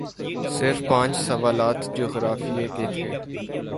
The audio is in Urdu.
صرف پانچ سوالات جغرافیے کے تھے